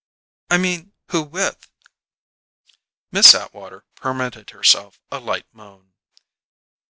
"I mean: Who with?" Miss Atwater permitted herself a light moan.